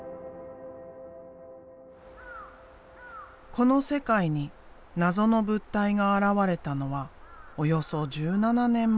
この世界に謎の物体が現れたのはおよそ１７年前。